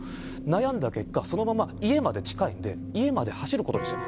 悩んだ結果、そのまま家まで近いので家まで走ることにした。